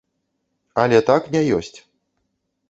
Але так не ёсць.